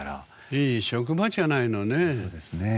いい職場じゃないのねえ。